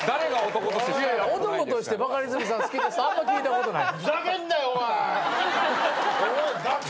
男としてバカリズムさん好きですってあんま聞いたことない。